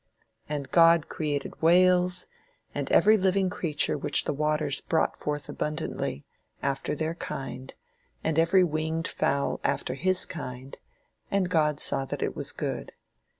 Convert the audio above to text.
And God created great whales and every living creature which the waters brought forth abundantly, after their kind, and every winged fowl after his kind, and God saw that it was good.